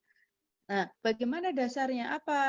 nah bagaimana dasarnya apa